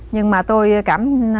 nhưng mà tôi cảm thấy